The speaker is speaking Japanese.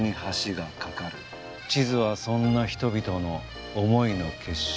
「地図はそんな人々の思いの結晶」。